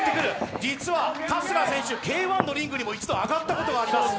実は春日選手、Ｋー１のリングにも一度上がったことあります。